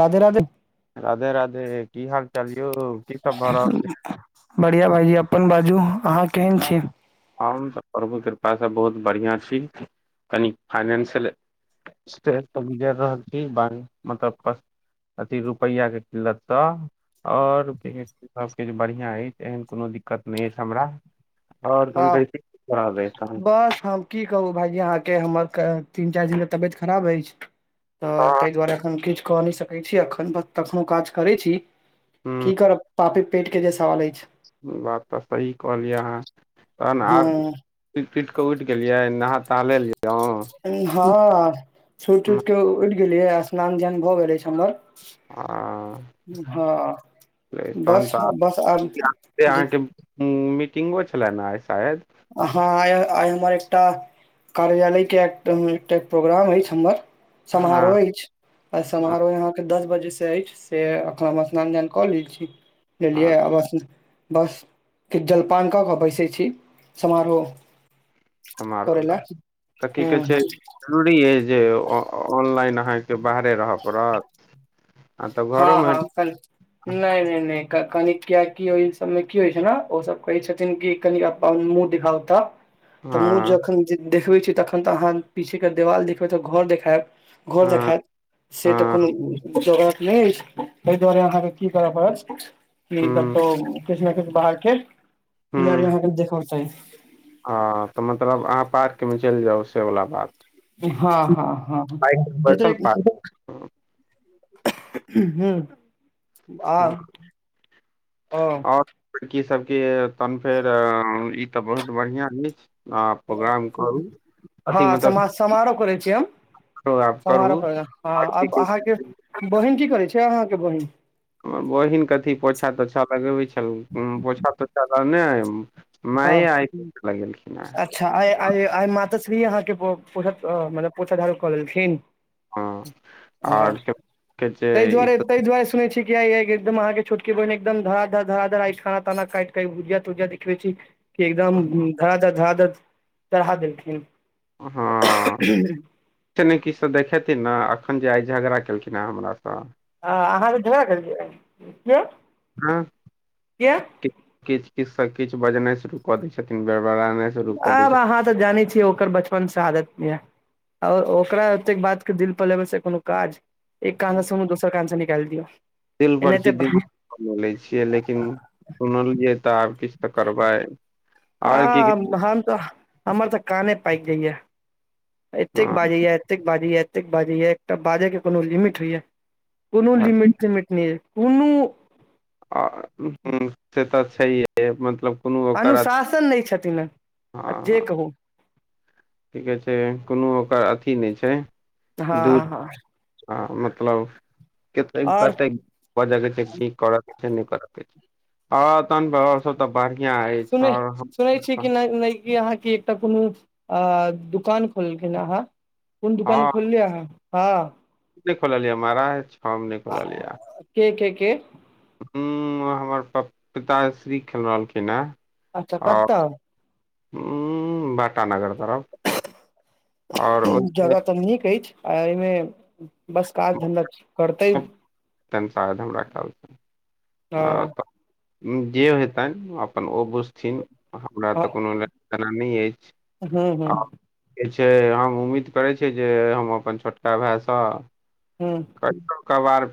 राधे राधे राधे राधे की हाल चाल यौ की सब भऽ रहल छै बढ़ियां बढियां अपन बाजू अहाँ केहन छी हम तऽ प्रभु कृपा से बहुत बढ़ियां छी कनि फाइनेंशियल सेे तऽ गजरि रहल छी ब मतलब अथी रुपैआ के किलत तऽ और क सब किछ बढ़िया अछि एहन कोनो दिक्कत नहि अछि हमरा [unintelligible] वाह तनब तन बस हम की कहू भाईजी अहाँ के हमर तीन चारि दिन से तबियत खराब अछि हँ तऽ ताहि दुआरे एखन किछ क नहि सकैत छी एखन त कखनोहु काज करै छी हूँ की करब पापी पेट के जे सवाल अछि बात तऽ सही कहलियअ अहाँ तहन आब सूत सुइत कऽ उठि गेलियै नहा तहा लेलोंह हँ सुति उति के उठि गेलियै स्नान धयान भऽ गेले अछि हमर हँ तहन बस बस आब जे हुँ मीटिंगो छलाह न आइ शायद हाँ आइ हमर एकटा कार्यालय के एक एकटा प्रोग्राम अछि हमर हँ समारोह अछि आ समारोह यहाँ के दस बजे से अछि से एखन हम स्नान ध्यान कऽ लै छी बुजलियै हँ आब बस किछ जलपान कऽ कऽ बैसै छी समारोह करै समाहरोला लए तऽ की हूँ कहै छै हूँ जरूरी अइ जे ऑनलाइन अहाँ के बाहरे रहय पड़त आ तऽ हँ घरोमे हँ फ नहि नहि नहि कनी किया की ओ सबमे की होइ छै ने ओ सब कहै छथिन कि कनि अपन मुँह दिखाउ त तऽ मुँह हँ जखन देखबै छी तखन तऽ अहाँ पीछे के देवाल देखबै तऽ घर देखात घर हँ देखात से त हँ कोनो जोगार नहि अछिओहि दुआरे अहाँ के की करऽ पड़त क हूँ कतहु किछ ने किछ बाहर के सिनरियो हूँ वहाँ के देखै कें चाहि हँ तऽ मतलब अहाँ पार्क मे चलि जाउ से बला बात हँ हँ हँ बाइक पर बैसल हेतई पार्क हुँ आओर लड़की सभ के तहन फेर ई तऽ बहुत बढ़िआँ नहि छै हँ मतलब सम समारोह करै छीय हम समारोह आब समारोह करू करैला आब अहाँ के बहिन की करै छै अहाँ के बहिन हमर बहिन के अथी पोछा तोछा लगेबै छल पोछा तोछा लगने हँ माइ आइ पोछा लगेलखिन या अहाँ के पोछा मतल पोछाझाड़ू कऽ लेलेलखिन हँ हँ आओर के जे ताहि ई दुआरे तऽ ताहि दुआरे सुनै छी किया कि एकदम आहाँ के छोटके बहिन एकदम धरा धर धरा धर खाना ताना काटि क भुजिया तुजिया देखबै छी कि एकदम धरा धर धरा धर चढ़ा देलखिन हाँ किछु न किछु त देखेथिन ने अखन जे आइ झगड़ा केलखिन हेन हमर सँ हँ अहाँके झगड़ा कलेखिन किया हुँ किया कि ककिछ सँ किछु बजनाइ शुरू कऽ दय छथिन बेरबड़ेनाय आब अहाँ तऽ जाने छियै ओकर बच्च से आादत या आओर ओकरा ओतेक बात के दिल पर लेब से कोनो काज एक कान छथिन सँ सुनु दोसर कान सँ निकाल दियौ एनाहिते हमहूँ ले छियै लेकिन सुनलियै तऽ आब किछु तऽ करबै आओर की आ हम तऽ हमर तऽ काने पाकि जाइया एतेक हँ बाजैया एतेक बाजय या एतेक बाजे या एकटा बाजे के कोनो लिमिट होइ या कोनो लिमिट तिमिट नहि ये आ से-तऽ छैेय हे मतलब कोनो अनुशासन नहि छथिन हेँ आ जे ओकर--हँ कहू की कहै छै कोनो ओकर अथी नहि छै हँ दूर हँ हँ मतलब कते आओर कतेक बजह छै की करअ के छै नहि करय के छै हँ तहन तऽ बढ़िआ सुनै सुनै छी कि नहि नहि अहाँके कोनो दुकान खोलखिन अहा कोन दुकान खोललियै अहाँ हँ के खोलिय महराज हम नय खोललिय के के के हुँ हमर प पिताश्री खेल रहलखिन हन अच्छा आओर कतऽ हुँम बाटानगर तरफ आओर ओहिमे जगह तऽ नीक अछि आ एहिमे बस काज धन्धा करतै तन शायद हमरा कलसँ ह हँ तऽ जे हेतनि अपन ओ बुझथिन हमरा हँ तऽ कोनो लेना देना नहि अछि हूँ हूँ आ जे छै हम उम्मीद करै छिय जे हम अपन छोटका भाइसँ हुँ कहियो कभार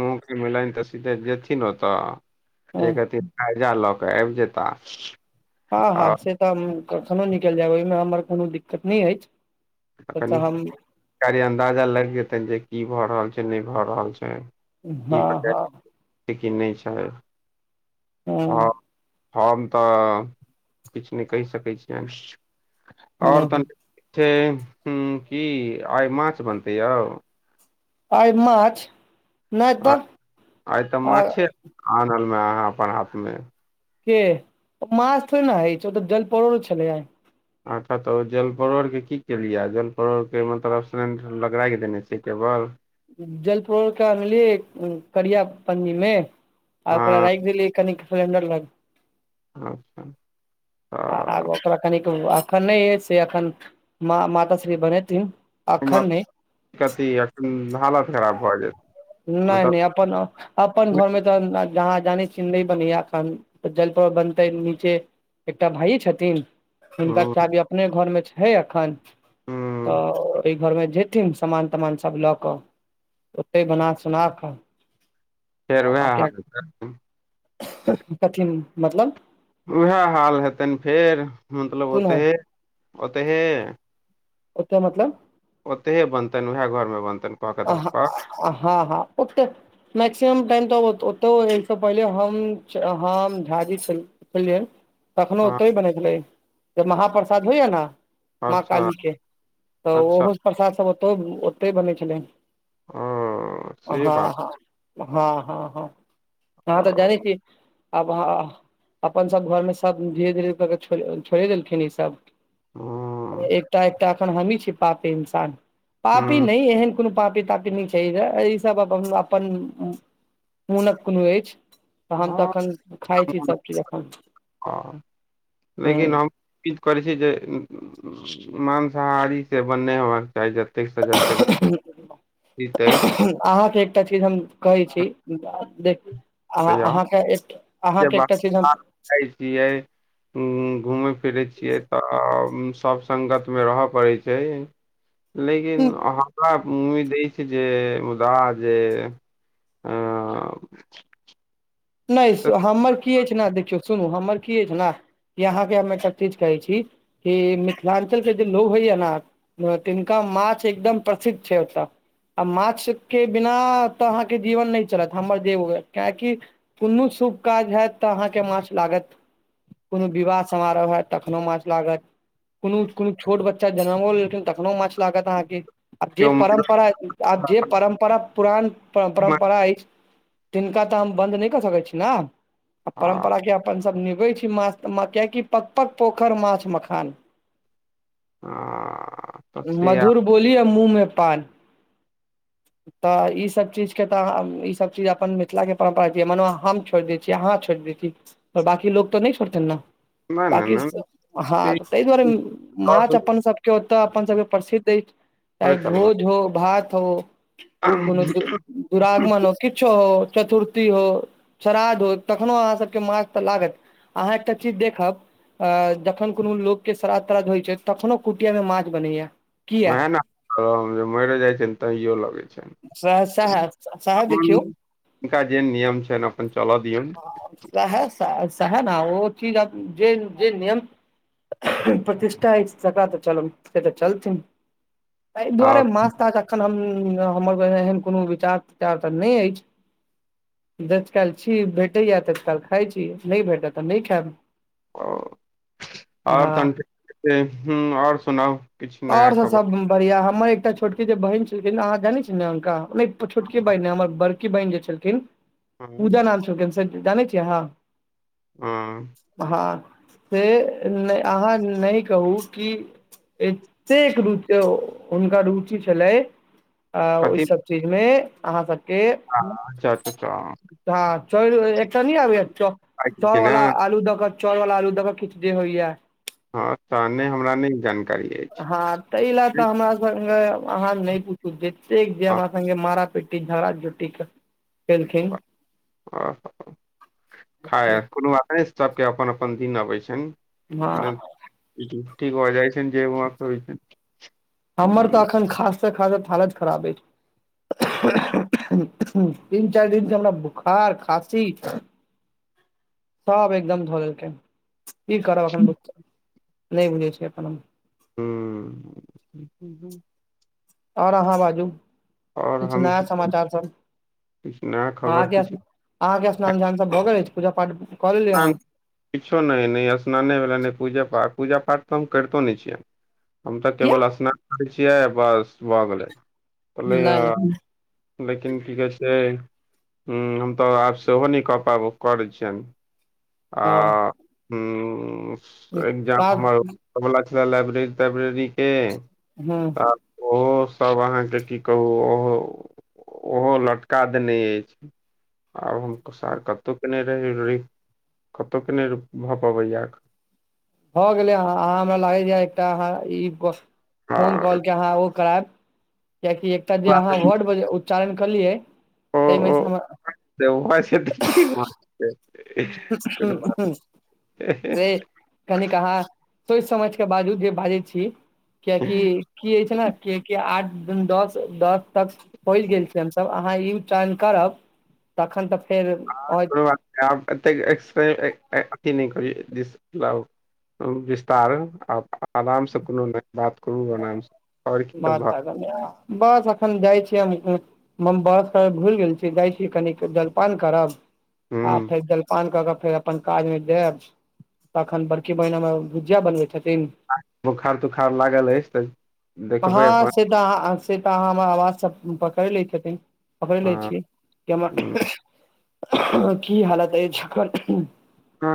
मुमकिन भेलेन्ह तऽ सीधे जेथिन ओतऽ हूँ एक अथी कर्जा लऽ कऽ आबि जेताह हँ हँ से तऽ हम कखनो निकलि जायब ओहिमे हमर कोनो दिक्कत नहि अछि आ तऽ कनि हम कालिह अन्दाजा लागि जेतनि जे की भऽ रहल छै नहि भऽ रहल छै की हँ पता हँ नहि छै हूँ हँ हम तऽ किछु नहि कहि सकैत छियन आओर हूँ तनि छै हुँ की आइ माछ बनतै यौ आइ माछ नहि तऽ आइ तऽ आ माछे आनल मे अहाँ अपन हाथ मे के माछ थोड़े ने हय छै ओतऽ जलपरोड़ छलै आय अच्छा तऽ ओ जल परोर के की केलियै जल परोड़ के मतलब सिलेंड लंग राखि देने छिय केवल जलपोर ए अनलिय करिया पन्नीमे आ ओकरा हँ रइख देल कनिक सलेंडर लंग अच्छा आ तऽ आ कनिक एखन नहि अछि से एखन माता श्री बनेथिन हमर अखन नहि कथि एखन हालत खराब भऽ गेल नहि नहि अपन अपन अपन घरमे एखन जहाँ जान छिय नय बनैया एखन जलपरोड़ बनतै नीचे एकटा भाइ छथिन हुनका हूँ कार्य अपने घर मे छैे अखन हूँ तऽ ओहि घर मे जेथिन समामान तमान सब लऽ कऽ ओतहि बना सोना कऽ फेर ओएह हाल कथि मतलब उएह हाल हेतनि फेर मतलब कोन ओतै है हे ओतैहे ओतऽ मतलब ओतहे बनतनि उएह घरमे बनतनि क कऽ देबहक हँ हँ ओ्ते मैक्सिमम टाइम तऽ ओतौ एहिसँ पहिले हम हम झाजी छलहुँ कैले कखनोहु हँ ओतो बनैत छलै जे महाप्रसाद होइया ने माँ अच्छा काली के तऽ अच्छा ओहो प्रसाद सब ओत ओतहि बनै छलै हँ अ हँ ह हँ हँ हँ हँ तऽ अहाँ त हँ जानय छी आब अहाँ अपन सभ घरमे सब धीरे धीरे के छोड़े देलखिन ई सब हूँ एकटा एकटा एखन हमी छी पापी इंसान पापी नहि एहन कोनो पापी तापी नहि छै ई सब अपन मोनक कोनो अछि हम तऽ एखन खाइ छी सब चीज अपन ई करै छै जे मांसाहारी से बन नहि हेबाक चाही तेइस हजार तक दित अछि अहाँके एकटा चीज हम कहै छी। देख आ तऽ हम अहाँके अहाँके एकटा चीज हम। जाइ छियै, घुमै फिरै छियै तऽ सभ संगतमे रहऽ पड़ै छै, लेकिन हमरा उम्मीद छै जे मुदा जे अ नहि, तऽ हमर की अछि ने, देखियौ, सुनू हमर की अछि ने। यहाँके हम एकटा चीज कहै छी कि मिथिलांचलके जे लोक होइया ने। तिनका माछ एकदम प्रसिद्ध छै ओतऽ। आ माछके बिना तऽ अहाँके जीवन नहि चलत हमर जेब किएक कि कोनो शुभ काज होयत तऽ अहाँकेँ माछ लागत। कोनो विवाह समारोह हो तखनहुँ माछ लागत। कोनो छोट बच्चा जन्म लेलखिन तखनो माछ लागत अहाँके। आ जे केओ मारि परम्परा आ जे परम पुर्खा पुरान मारि- परम्परा अछि, तिनका तऽ हम बन्द नहि करि सकैत छी ने। आ- परम्परा अपन सभ निभबै छी, माछ किएक कि पोखरि माछ मखान। आ तऽ से मधुर बोलिय, मुँहमे पान। तऽ ई सभ चीज अपन मिथिलक परम्परा छी, मानू हम छोड़ि दैत छी, अहाँ छोड़ि देब? बाकी लोक तऽ नहि छोड़तनि ने। नहि नहि नहि हँऽ, ताहि दुआरे माछ दुनिया अपन सभकेँ ओतऽ प्रसिद्ध अछि। थोड़े चाहे भोज हो, भात हो, कोनो चलबै दुरागमन हो। किछु हो, चतुर्थी हो, श्राद्ध हो, तखनो अहाँ सभके माछ तऽ लागत। अहाँ एकटा चीज देखब। आ जखन कोनो लोकके श्राद्ध त्राद्ध होइ छै, तखनहुँ कुटियामे माछ बनै छै। आहाँ ने मरि जाइत छथिन, तैयो लगै छै। सहऽ से सहऽ, देखियौ। जिनका जेहन नियम छनि, अपन चलऽ दिऔन। सहऽ से सहऽ, ओ चीज जे जे नम प्रतिष्ठा अछि तऽ चल, से तऽ चलथिन। एहि दुआरे आओर माछ ताछ एखन हमर एहन कोनो विचार विचार तऽ नहि अछि। जत्काल छी, भेटैया तत्काल खाइ छी, नहि भेटत तऽ नहि खायब। ओ आओर हँ तऽ ह, आओर सुनाउ, किछु और नब सब खबर? सब बढ़िया, हमर एकटा छोटकी जे बहिन छलखिन, अहाँ जानी छी ने, अङ्का छोटकी बहिने हमर बड़। बहिन जे छलखिन, हँ पूजा नाम छलखिन, जानै छियै अहाँ। ह हँ से अहाँ नहि कहू कि एतेक रुचि हुनका रुचि छलै। आ ओहि सभ चीजमे अहाँ सभकेँ हँ अच्छा अच्छा हँ, चौ एकटा न आबै, आइ कि चारि ने वला आलू दऽ। चौरवला आलू तऽ खींचे होइए। हँ तऽ नहि, हमरा नहि जानकारी अछि। हँ, ताहि लेल तऽ हमरा सँ अहाँ नहि पूछू, जतेक जे हमरा से मारा पेट। झरा ज्योति केँ [unintelligible] खाइ कऽ नहिएत सभकेँ अपन अपन दिन अबै छनि। अपने हँ ठीक हय, जाइ जे। हमर तऽ हुँ एखन खासे खास हालत खराब अछि। तीन चार दिन से हमरा बुखार खासी सब एकदम धऽ देलकै की करब एखन नहि बुझै छिये अखन हम हूँ आओर अहाँ बाजू आओर किछ हम नया की समाचार सब किछु नया खबर अहाँके किछु अहाँके स्नान घ्यान सब भऽ गेल अछि पूजा पाठ कऽ लेलियै स्नान अहाँ किछो नहि नहि स्नाने भेलनि नहि पूजा पाठ पूजा पाठ तऽ हम करितो नहि छियै हम तऽ किया केवल स्नान करै छियै बस भऽ गेलै नहि नहि कह लेकिन की कहै छै हूँ हम तऽ आब सेहो नहि कऽ पाब करै छियनि आ ओ एकग्जाम काज हमर हौब बला छला लैब्रेररी तैब्रेररी के हँ आ ओहो सब अहाँके की कहू ओहो ओहो लटका देने अछि आब हम सार कतहु के ने रहहि कतहुके नहि र भऽ पबैय अखन भऽ गेलै अहाँ आहा हमरा लागैय एकटा अहाँ ई कोस फोन कॉल हँ के अहाँ ओ करायब कियकि एकटा जे अहाँ वर्ड बजे उच्चारण कलियै ओ ताहिमे ओ से हमर से [unintelligible] ठीक जेतै कोनो बात नै से कनिक अहाँ सोचि समझ के बाजू जे बाजै छी क्याकी की हो छै ने कि कि आ दस दस तक पहुँच गेल छीयै हमसभ अहाँ ई उच्चारण करब तखन तऽ फेर हँ कुन बाता ने [unintelligible] नो एथी कर विस्तार आ आराम से कोनो नहि बात करू आराम सँ ब [unintelligible] बस एखन जाइ छीिय हम [unintelligible] भूलि गेल छी जाइ छी कनििक जलपान करब आ हुं फेर जलपान क कऽ फेर अपन काज मे जेब तखन बड़की बहिन हमर भुजिया बनबै छथिन बोखार तुखार लागल अछि तऽ देखबै हँ अपन से तऽ अहाँ से तऽ अहाँ हमर आवाज सभ पकड़ि लै छथिन पकैर लै हँ छी कि हमर हम्म, की हालत अछि आ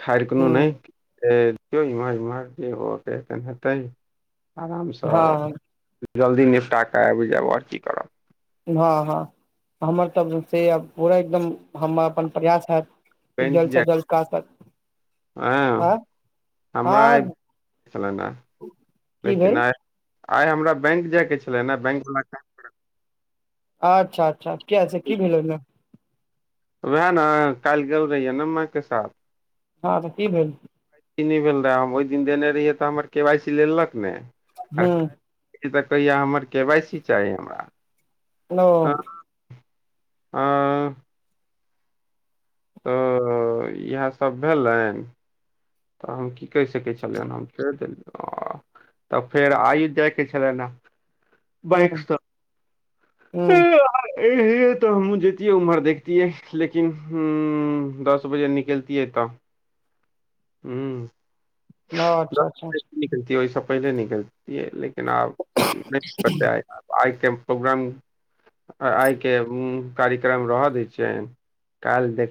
खाइर कोनो हूँ नहि से देखियौ इमहर इमहर जे होबअके हेतइन से हेतै आरामसँ हँ जल्दी निपटा कऽ आबि जायब आओर की करब हँ हँ हमर तऽ से आ पूरा एकदम हम अपन प्रयास हैत की बैंक जल्द स जाय जल्द काज ताज हँ हमरा छल की लेकिन भेल आइ आइ हमरा बैंक जाय के छले ने बैंक वाला काज अच्छा अच्छा कीया से की काल्हि भेल ओइमे वएह ने काल्हि गेल रहहियै न माँ के साथ हँ तऽ की भेल की नहि भेल रहै हम ओहि दिन देने रहियै तऽ हमर के वाइ सी लेलक ने हूँ आर काल्हि ई तऽ कहिय हमर के वाइ सी चाही हमरा हलो अँ ओऽ इएह सब भेलनि तऽ हम की कहि सकै छलियैन हम छड़ि देलहुँ आ तऽ फेर आइ जायके छलनि ह हँ हँ इ हे त हमहुँ जेतीै उमहर देखतीये लेकिन ह दस बजे निकलत किये तब हू अच्छा अच्छा निकलती ओहिस पहिले निकलतीये लेकिन आब प्रोग्राम आइ के कार्यक्रम रहऽ दै छियनि काल्हि देख